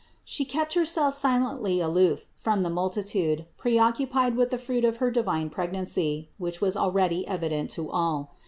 She kept Herself silently aloof from the multitude, preoccupied with the Fruit of her divine preg nancy, which was already evident to all.